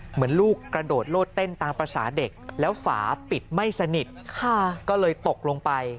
เหมือนลูกกระโดดโลดเต้นตามภาษาเด็กแล้วฝาปิดไม่สนิทก็เลยตกลงไป